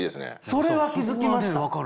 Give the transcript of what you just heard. それは気付きました。